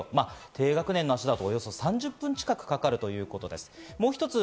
小学生の足だと、およそ３０分近くかかるということです。